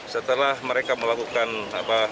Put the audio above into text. setelah mereka melakukan penyerangan